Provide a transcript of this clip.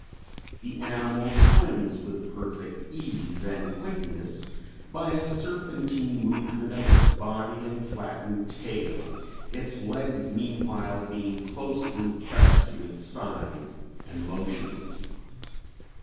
The animal swims with perfect ease and quickness by a serpentine movement of its body and flattened tail, its legs meanwhile being closely pressed to its side and motionless.